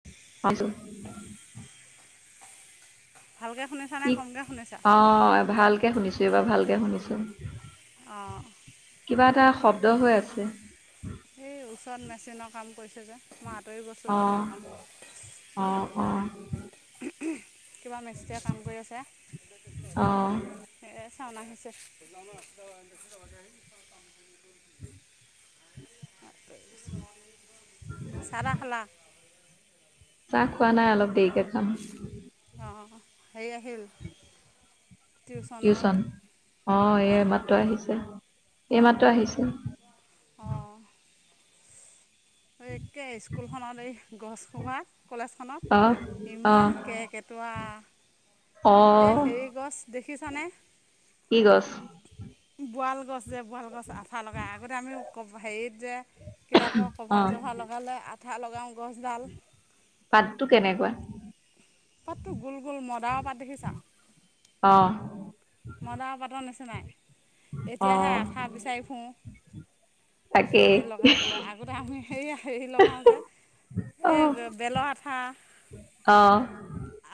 [unintelligible] [inaudible] ভালকে শুনিছা কি অ', ভালকে শুনিছো এইবাৰ ভালকে শুনিছো। অ'। কিবা এটা শব্দ হৈ আছে। এই ওচৰত মেচিনৰ কাম কৰিছে যে, মই আঁতৰি গৈছোঁ অ' ৰ'বা অকণ। অ', অ'। কিবা মিস্ত্ৰীয়ে কাম অ' কৰি আছে। [unintelligible] চাওন আহিছে। [inaudible] চাহ তাহ খালা। চাহ খোৱা নাই, অলপ দেৰিকে খাম। অ', হেৰি আহিল। টিউশ্যনৰ টিউচন, অ', অঁ এই মাত্ৰ আহিছে- এই মাত্ৰ আহিছে। অ'। এই কে স্কুলখনত এই গছসোপা, কলেজখনত। অ' অ' কিমান কেৰ্কেটুৱা। এ অ' হেৰি গছ দেখিছানে, কি গছ বোৱাল গছ। যে বোৱাল গছ আঠা লগাই আগতে আমি হেৰিত যে কিতাপৰ কভাৰ অ' চভাৰ লগ গাই লৈ আঠা লগাওঁ গছডাল। পাতটো কেনেকুৱা। পাতটো গোল- গোল, মদাৰৰ পাত দেখিছা। অ'। মদাৰৰ পাতৰ নিচিনাই, এতিয়াহে অ' আঠা বিচাৰি ফুৰো। তাকেই কেনে লগাবলৈ, আগতে আমি সেইয়া হেৰি লগাওঁ যে। এই অ' যে বেলৰ আঠা। অ'।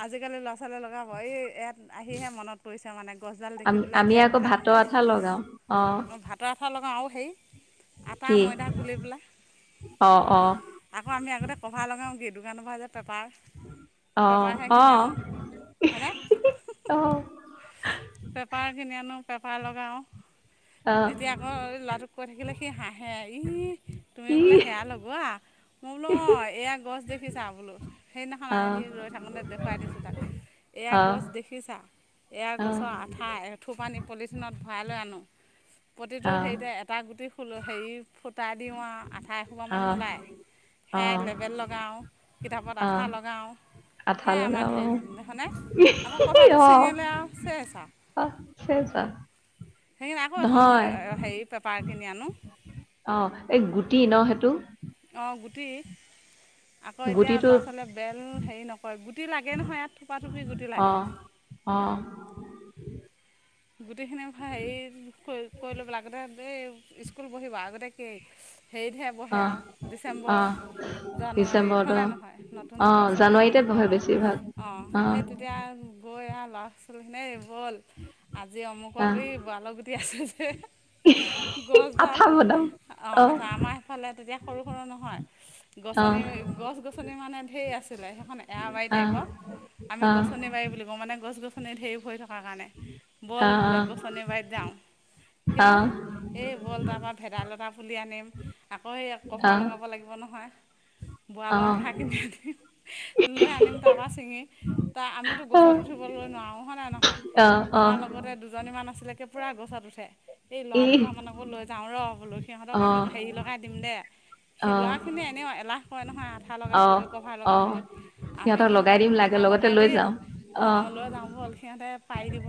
আজিকালি ল'ৰা ছোৱালী লগাব, এই ইয়াত আহিহে মনত পৰিছে মানে। এই ডাল আমি দেখিবলে আমি এতিয়া আকৌ এইফালে ভাতৰ আহোঁতে, আঠা লগাও অ' ভাতৰ আঠা লগাওঁ আও হেৰি। আটা কি ময়দা গুলি পেলাই। অ' অ' আকৌ আমি আগতে কভাৰ লগাওঁ কি, দোকানৰ পৰা যে পেঁপাৰ। অ' পেপাৰ হে কিনি অ' আনো, হয়নে। অ'। পেঁপাৰ কিনি আনো, পেঁপাৰ লগাওঁ, অ' এতিয়া অ', এই ল'ৰাটোক কৈ থাকিলে সি হাঁহে, ই তুমি বোলে হেয়া লগোৱা, মই বোলো অ', এয়া গছ দেখিছা বোলো। সেইদিনাখন আহি ৰৈ থাকোতে দেখুৱাই দিছো তাক। এয়া গছ দেখিছা, এয়া গছৰ আঠ আঠা, এথুপানী পলিথিনত ভৰাই লৈ আনোঁ, প্ৰতিটো হেৰিতে আঠা এ আটা গুটি ফুলো হেৰি ফুটাই দিওঁ আৰু আঠাই এশোপামান ওলায়। সেয়া লেবেল লগাওঁ, কিতাপত আঠা লগাওঁ। সেয়াই আমাৰ [unintelligible] লগাব সেইদিনাখনে, আকৌ কপাহটো অ ছিঙিলে আৰু চেচ আৰু। [unintelligible] [unintelligible] আকৌ এখন নহয় হেৰি পেপাৰ কিনি আনো। অ', এই গুটি ন সেইটো। অ', গুটি। আকৌ এতিয়া গুটিটো ল'ৰা ছোৱালীয়ে বেল হেৰি নকয়, গুটি লাগে নহয় ইয়াত থোপাথোপি গুটি অ লাগে। অ'। গোটেইখিনি হেৰি কৰি লৈ পেলাই আগতে এই স্কুল বহিব আগতে কি হেৰিতহে বহে অ আও, অ ডিচেম্বৰ। জানুৱাৰীত ডিচেম্বৰত অ হয়নে নহয়, নতুন অ বছৰ জানুৱাৰীতে আৰম্ভ বহে হয়, বেছিভাগ অ', সেই তে তেতিয়া গৈ আও ল'ৰা ছোৱালীখনে এই ব'ল আজি অ আমুকত এই বৰালৰ গুটি আছে যে, গছডাল। আঠা বনাম অ', [unintelligible] আমাৰ সিফালে তেতিয়া সৰু- সৰু নহয়। অ গছনি গছ-গছনি মানে ঢ়েৰ আছিলে, সেইখন এৰাবাৰী অ অ টাইপৰ। আমি অ অ গছনি অ বাৰী বুলি কওঁ, মানে গছ- গছনি ধেৰ ভৰি থকাৰ কাৰণে। অ ব'ল বোলে গছনি বাৰীত যাওঁ। অ'। সেই ব'ল তাৰ পৰা ভেদাইলতা পুলি আনিম। আকৌ এই কভাৰ লগাব লাগিব নহয়, বৰালৰ আঠাখিনি আনি। লৈ আনিম তাৰপৰা ছিঙি, তাৰ আমিতো গছত উঠিবগৈ নোৱাৰোঁ, হয় নে নহয়। অ অ অ আমাৰ লগতে দুজনীমান আছিলে কে পোৰা গছত উঠে। এই ই ল'ৰা দুটামানকো লৈ যাওঁ ৰ, সিহঁতক আমি অ', হেৰি লগাই দিম দে। সেই অ', ল'ৰাখিনিয়ে এনেও এলাহ কৰে নহয়, আঠা অ', লগাবলৈ কভাৰ অ', লগাবলে। আমি লগাই সিহঁতক দিম লাগে আঠা লগতে লগাই লৈ দিম, যাম। অ', লৈ যাওঁ ব'ল সিহঁতে পাৰি দিব।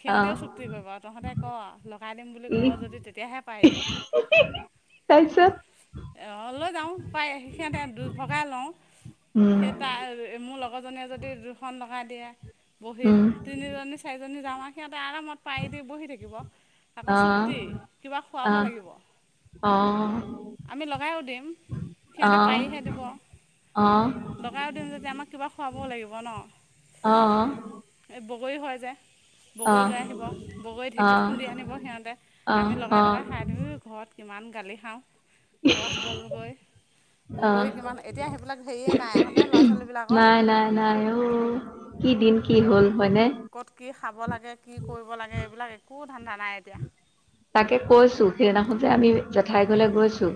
সিহঁতেও অ', চুক্তি কৰিব আও তহঁতে ক। লগাই দিম বুলি ই ক যদি, তেতিয়াহে পাৰি দিম। তাৰপিছত। অ', লৈ যাওঁ পাই, সিহঁতে দুই ভগাই লওঁ। উম, সেই তাইৰ মোৰ লগ লগৰজনীয়ে যদি দুখন লগাই দিয়ে, বহীত, উম, তিনিজনী চাৰিজনী যাওঁ আৰু সিহঁতে আৰামত পাৰি দি বহি থাকিব, আকৌ অ', চুক্তি কিবা খুৱাব অ', লাগিব। অ'। আমি লগায়ো দিম, সিহঁতে অ', পাৰিহে দিব। অ'। লগাইও দিম যদি আমাক কিবা খোৱাবও লাগিব ন। অ', এই বগৰী হয় যে। বগৰী লৈ আহিব, বগৰী ঢেঁকীত অ', খুন্দি আনিব সিহঁতে, অ', আমি লগাই-লগাই খাই ধৰি ঘৰত কিমান গালি খাওঁ। ক'ত গ'লগৈ? অ', বগৰী কিমান এতিয়া সেইবিলাক হেৰিয়ে নাই হয়নে ল'ৰা-ছোৱালীবিলাকৰ? নাই, নাই অ। কি দিন কি হ'ল, হয়নে? ক'ত কি খাব লাগে, কি কৰিব লাগে এইবিলাক একো ধান্দা নাই এতিয়া। তাকে কৈছো সেইদিনাখন যে আমি জেঠাই ঘৰলে গৈছো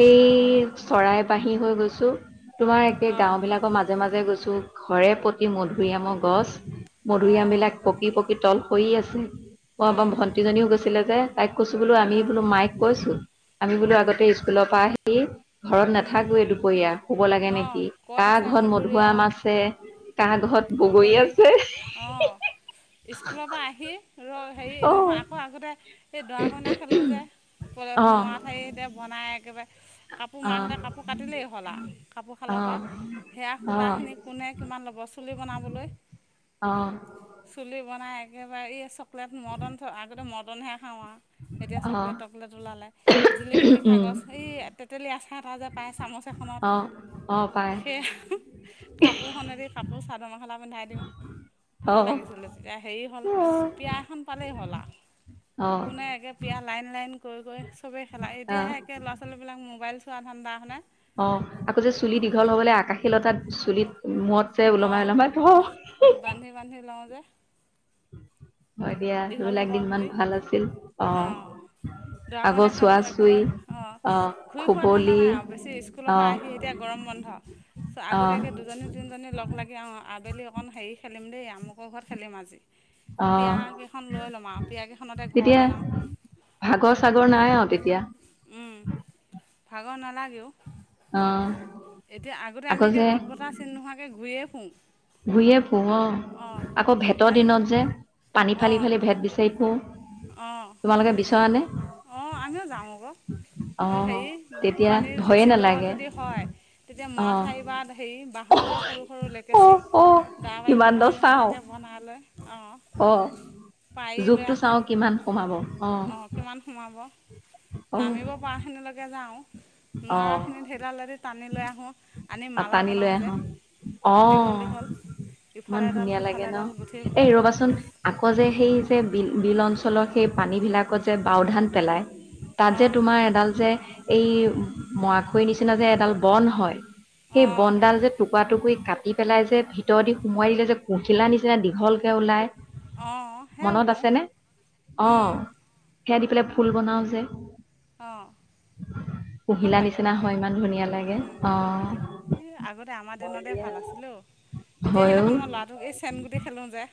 সেই অঁ চৰাই বাহী হৈ গৈছো, তোমাৰ একে অঁ গাঁও বিলাকৰ মাজে মাজে গৈছো। ঘৰে প্ৰতি মধুৰিআমৰ গছ, অঁ মধুৰিআমবিলাক পকি পকি তল সৰি আছে। [unintelligible] ভণ্টিজনীও গৈছিলে যে, তাইক কৈছো বোলো আমি বোলো মাইক কৈছো। আমি বোলো আগতে স্কুলৰ পৰা আহি ঘৰত অঁ নাথাকোৱে দুপৰীয়া। শুব লাগে নে অঁ কি, ক'ত কা আছে ঘৰত মধুআম মধুৰিআম আছে কাৰ ঘৰত বগৰী, আছে অ। স্কুলৰ পৰা আহি ৰ হেৰি অ নহয় আকৌ আগতে সেই দৰা কইনা খেলো যে। অ [unintelligible] মআ ঠাই দি বনাই একেবাৰে কাপোৰ অ মাহঁতে কাপোৰ কাটিলেই হ'ল আ কাপোৰ অ শালৰ পা। সেয়া সূতাখিনি অ কোনে কিমান ল'ব চুলি বনাবলৈ। চুলি বনাই একেবাৰে এই চকলেট মৰ্টন আগতে মৰ্টনহে খাওঁ আ। এতিয়া অ অ চকলেট-টকলেট ওলালে। জিলিক-মিলিক উম উম কাগজ, এই তেতেলী আচাৰ এটা যে পায় চামুচ অ এখনত। অ পাই সে কাপোৰখনেদি কাপোৰ চাদৰ-মেখলা পিন্ধাই দিওঁ। অ ভাল লাগিছিলে তেতিয়া। হেই হ'ল পিয়া খন পালেই হ'ল আ, অ অ কোনে একে পিয়া লাইন লাইন কৰি কৰি চবেই খেলা। এতিয়াহে একে ল'ৰা লৰা-ছোৱালীবিলাক মোবাইল চোৱা ধাণ্ডা, হয়নে? অ আকৌ যে চুলি দীঘল হ'বলে আকাশীলতাত চুলিত মূৰত যে ওলমাই অঁ ওলমাই থওঁ [unintelligible] বান্ধি বান্ধি লওঁ যে। হয় দিয়া দীঘল সেইবিলাক হ'ব দিন ইমান বুলি, ভাল আছিল অ। আগৰ দৰা-কইনা চোৱা খেলো চুই একেবাৰে। অ আহ ঘূৰি-ফুৰা ধাণ্ডা খুবলি নাই আও বেছি স্কুলৰ পৰা আহ আহি তিয়া গৰম বন্ধ চ আহ আগতীয়াকে দুজনী তিনজনী লগ লাগি অ আবেলি অকণ হেই খেলিম দেই, আমুকৰ ঘৰত খেলিম আজি। অ। পিয়াকেইখন লৈ ল'ম আৰু পিয়াকেইখনতে ঘৰ তেতিয়া বনাম ভাগৰ চাগৰ নাই আও তেতিয়া। উম, ভাগৰ নালাগেও। অ এতিয়া আগতে আকৌ আমি একে যে ৰ'দ, বতাহ চিন নোহোৱাকে ঘূৰিয়ে ফুউ। ঘূৰিয়ে ফুউ অ, আকৌ ভেটৰ আজি দিনত যে পানী ফালি ফালি ভেঁট বিচাই ফুউ। অ। তোমালোকে বিচৰা নে? অ আমিও যাওঁ আক'। এ অহ হেৰি তেতিয়া পানী ভয়ে বেছি দ নালাগে যদি হয়, তেতিয়া মআ অহ ঠাই বা হেৰি বাঁহৰ যে সৰু সৰু অ লেকেচি অ দা বাৰী কিমান দ বনোৱা চাও নিচিনাকে বনাই লয়, অ। অ, জোখটো চাওঁ কিমান সোমাব, অ। মান সোমাব অ নামিব পৰা খিনিলৈকে যাওঁ। অ নোৱাৰাখিনিত সেইডালেদি টানি লৈ আহো, আনি মালা টানি লৈ বনাও যে। আহো অ, দীঘল দীঘল ইমান ইফালে এডাল ধুনীয়া লাগে সিফালে ন? এডাল গুঠি এই পেলাই ৰ'বাচোন আকৌ যে সেই যে বিল বিল অঞ্চলৰ সেই পানীবিলাকত যে বাও ধান পেলাই। তাত যে অঁ তোমাৰ এডাল যে এই মৰা খই নিচিনা যে এডাল বন হয়। সেই অঁ বনডাল যে টুকুৱা টুকুই কাটি পেলাই যে ভিতৰ দি সোমোৱাই দিলে যে পখিলা নিচিনা দীঘলকে ওলায়। অঁ সেয়াও মনত কৰোঁ আছেনে? অ উম, সেয়া দি পেলাই ফুল বনাও যে। অ। [inaudible] ঘিলা নিচিনা হয় ইমান ধুনীয়া লাগে, অ। ই আগতে আমাৰ দিনতে ভাল আছিলে ঔ। এতিয়া হয় সেইদিনাখন মই ল'ৰাটোক এই চেম গুটি খেলোঁ যে।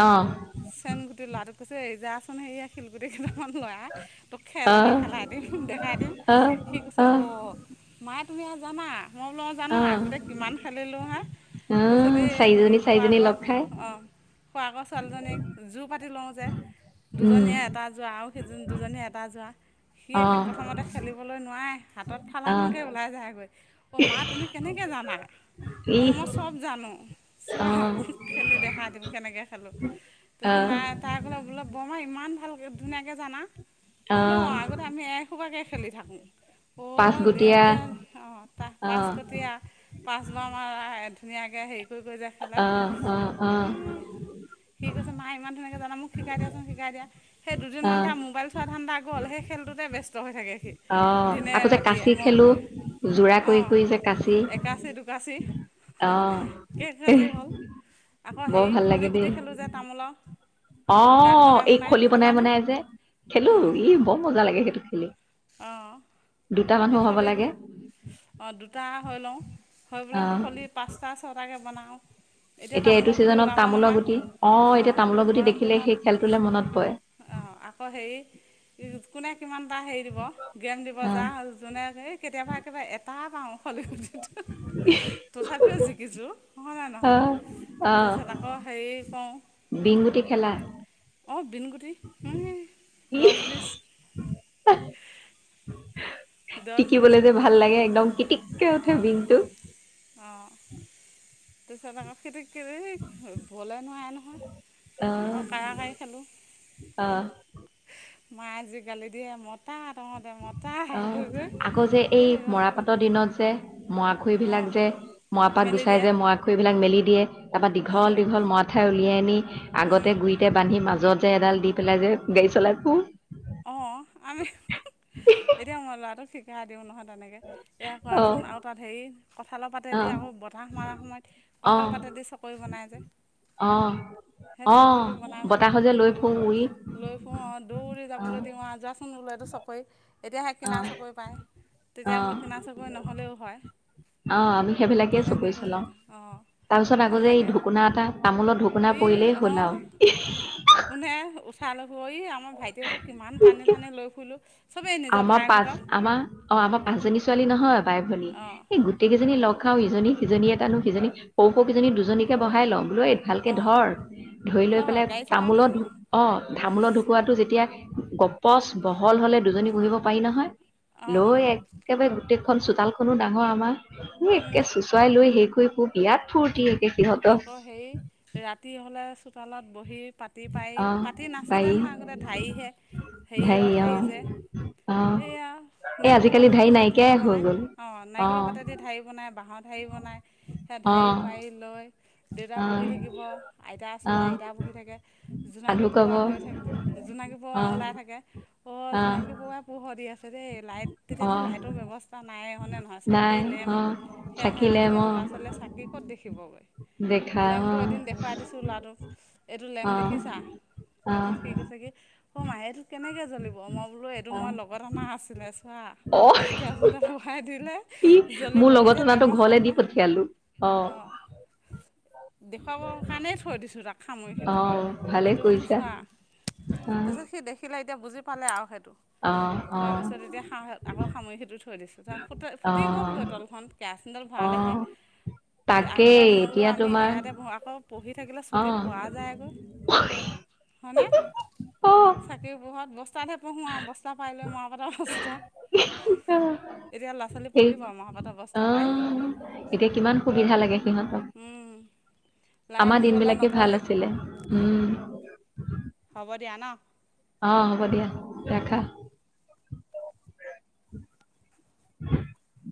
অ। চেন গুটি ল'ৰাটোক কৈছো এ যাচোন হেইয়া শিলগুটি কেইটামান লৈ আ। তোক অ', খেল এটা অ', খেলাই দিম, দেখাই দিম। সি কৈছে অ মাই তুমি এইয়া জানা? মই বোলো অ জানো, আগতে কিমান খেলিলোঁ হা। উম, তাৰপিছতে এ হেৰি চাৰিজনী চাৰিজনী খোৱাকৰ লগ খাই অ খোৱাকৰ ছোৱালীজনীক জোৰ পাতি লওঁ যে উম, দুজনীয়ে এটা যোৱা আৰু সেই যোন দুজনী এটা যোৱা। সি একে অ', প্ৰথমতে খেলিব লৈ নোৱাৰে। হাতত অ', ফালাংকৈ ওলাই যায়গৈ। অ' মা তুমি কেনেকে জানা? ইহ, বোলো চব জানো। চোৱা অ', খেলি দেখা দিম কেনেকে খেলোঁ। তাপিছত অ', নাই। তাই ক'লে বোলে বৰমা ইমান ভালকে ধুনীয়াকে জানা। মই বোলো অ আগতে আমি এসোপাকে খেলি থাকোঁ। অ [unintelligible] পাঁচগুটীয়া অ তা অ', পাঁচকটীয়া পাঁচবাৰ [unintelligible] ধুনীয়াকে হেৰি কৰি কৰি যে খেলে। অ', অ', অ', এই সি কৈছে মা ইমান ধুনীয়াকে জানা মোক শিকাই দিয়াচোন, শিকাই দিয়া। সেই দুদিনমান অ', তাৰ মোবাইল চোৱা ধান্ডা গ'ল। সেই খেলটোতে ব্যস্ত হৈ থাকে সি। অ দিনে আকৌ যে ৰাতিয়ে কাঁচি মই বোলো খেলো, যোৰা কৰি কৰি যে কাঁচি কাচি দুকাচি অ এহ কেইকাচি হ'ল আকৌ হেই খলিগুটি খেলোঁ যে তামোলৰ। অ গাঁত বনাই এই খলি বনাই খেলানে বনাই যে খেলো। ই বৰ মজা লাগে সেইটো খেলি। অ। দুটা মানুহ সেই হ'ব খলি, লাগে অ দুটা হৈ লওঁ। হৈ অ পেলাই খলিত পাঁচটা, ছটাকে বনাওঁ। এতিয়া এইটো তামোলৰ গুটি ছিজনত ওলাব তামোলৰ নহয়। গুটি অ এতিয়া তামোলৰ গুটি গৰম দেখিলে দিনত সেই খেলটোলে মনত পৰে অ আকৌ হেই কোনে কিমানটা হেই দিব গেম দিব অ যা যোনেকেই কেতিয়াবা একেবাৰে এটা পাওঁ। খলি গুটিটো, তথাপিও জিকিছোঁ। হয় নে অ নহয়? অ তাৰপিছত আ অ হেই কও বিংগুটি খেলা? অ বিনগুটি [unintelligible] ই দছ, বিছ [unintelligible] দহ বিছ টিকিবলে যে খেলোঁ ভাল লাগে একদম কিটিককে উঠে বিনটো। অ, তাৰপাছত আকৌ সেইটো [unintelligible] বলে নোৱাৰে নহয়। অ আকৌ কাৰা কাৰি খেলোঁ। অ। মায়ে যি গালি দিয়ে মতা তহঁতে মতা। অ কৈ কৈ আকৌ যে এই মৰাপাটৰ দিনত যে মৰা খই অঁ বিলাক যে মৰাপাট মেলি গুচাই দিয়ে যে মৰাখৰিবিলাক মেলি দিয়ে তাৰপৰা অঁ দীঘল দীঘল মৰা ঠাই উলিয়াই আনি আগতে গুৰিতে বান্ধি মাজত যে এডাল দি পেলাই যে গাড়ী চলাই ফুও। অ, আমি এতিয়া মই ল'ৰাটোক শিক সেয়া দিওঁ নহয় তেনেকে এয়া অ কৰাচোন আৰু তাত হেই কঁঠালৰ অ পাতেদি আকৌ বতাহ মাৰা সময়ত কঁঠাল অ পাতেদি চকৰি বনাই যে। অ সে অ চকৰিটো বনাই বতাহত যে পেলাই লৈ ফুৰো উৰি দ লৈ ফু আ দৌৰি অ যাবলৈ দিওঁ আ যোৱাচোন বোলো এইটো চকই এতিয়াহে অ কিনা চকৰি পায়। অ তেতিয়া বোলো কিনা চকৰি নহ'লেও হয়। অ আমি সেইবিলাকে তেনেকৈ চকৰি পঠিয়াই চলাওঁ। দিওঁ অঁ তাৰ পিছত আক' ভাল যে এই লাগে ঢকুনা এটা, তামোলৰ ঢকুনা ই পৰিলেই হ'ল অঁ আও। কোনে উঠাই ল'ব? ই আমাৰ ভাইটিহঁতক কিমান টানি আৰু টানি লৈ ফুইলো। চবেই নিজৰ ভায়েকহতঁক আমা অ আমা পাঁচজনী ছোৱালী নহয় বাই, ভনী। অঁ এই গোট গোটেকেইজনী লগ খাও। ইজনী সিজনীয়ে টানো, সিজনী সৰু সৰুকেইজনী দুজনীকে বহাই লওঁ। বোলো অই ভালকে অঁ ধৰ। ধৰি থ লৈ পেলাই গাড়ী চলাম তামোলত ধ অ তামোলৰ ঢকুৱাটো যেতিয়া গপচ বহল হ'লে দুজনী বহিব পাৰি নহয়। অঁ লৈ একেবাৰে গোটেইখন চোতালখনো ডাঙৰ আমাৰ। ই একে চো চোচৰাই লৈ হেই কৰি ফুৰোঁ বিৰাট ফূৰ্তি। একে সিহঁতৰ আকৌ হেই ৰাতি হ'লে চোতালত বহি পা পাতি পাৰি অ পাতি নাছিলে বাৰী নহয় আগতে, ঢাৰিহে। হেৰিয়ৰ ঢাৰি যে অ এইয়া এই নাৰিকলৰ আজিকালি পাতেদি যে নাইকিয়াই ঢাৰি হৈ বনায়। গ'ল অ নাৰিকলৰ পাতেদি ঢাৰি বনায় বাঁহৰ ঢাৰি বনায় সেয়া ঢাৰি অ পাৰি লৈ দেউতা বহি অ থাকিব। আইতা আছিলে, অ', আইতা বহি থাকে। জোনাকী সাধু কব পউৱা হৈ থাকে, জোনাকী পউৱা অ', ওলাই থাকে। অ জোনাকী পউৱা পোহৰ দি আছে দেই। লাইট তেতিয়াতো অ', লাইটৰ ব্যৱস্থা নাই হয় নে নহয়, চাকি নাই লেম্প অ', সেয়াহে। চাকিলে ম আজি-কালি ল'-ছালীয়ে চাকি ক'ত দেখিবগৈ? দেখা লেম্পটো অ', এদিন দেখুৱাই দিছোঁ ল'ৰাটোক। এইটো লেম্প অ', দেখিছা? অ', তাৰপিছত সি কৈছে কি অ' মাই এইটো কেনেকে জ্বলিব? মই বোলো এইটো অ', মই লগত অনা আছিলে চা। অ', একে [unintelligible] বহাই দিলে ই মোৰ জ্বলিব। লগৰ এতিয়া টনাটো লেমৰ ঘৰলে কাম দি নাই। পঠিয়ালো অ। দেখুৱাবৰ কাৰণেই থৈ দিছোঁ তাক সামৰি সুতৰি। অ', ভালে এইটো বোলো কৰিছা চোৱা। অ', তাৰপিছত সি দেখিলে এতিয়া বুজি পালে আ সেইটো। অ। পোৱা অ', পিছত এতিয়া সা আকৌ সামই সুতই থৈ দিছোঁ। তাৰ ফু ফুটি অ', গ'লগৈ তলখন। কেয়াচিন তেল ভৰালেহে। অ', যে আগতে তাকেই বোলো এতিয়া আমি তোমাৰ ইয়াতে পঢ়ো। আকৌ পঢ়ি থাকিলে চুলি অ', পোৱা যায় আক'। হনে? অ', চাকিৰ পোহৰত বস্তাতহে পঢ়ো আ বস্তা পাৰি লৈ মৰাপাটৰ বস্তা। এতিয়া লছালী সেই পঢ়িব মৰাপাটৰ অ', বস্তা পাই? এতিয়া কিমান সুবিধা লাগে সিহঁতক। লাইন আমাৰ গ'লে দিনবিলাকে ভাল নপঢ়েই আছিলে। উম। হ'ব দিয়া ন? অ হ'ব দিয়া ৰাখা। [inaudible]